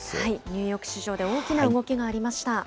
ニューヨーク市場で大きな動きがありました。